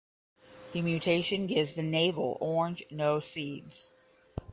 The mutation gives the navel orange no seeds.